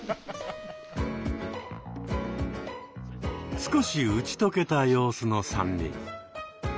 少し打ち解けた様子の３人。